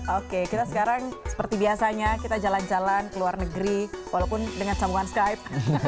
oke kita sekarang seperti biasanya kita jalan jalan ke luar negeri walaupun dengan sambungan skype